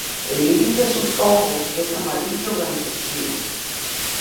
El iris de sus ojos es amarillo blanquecino.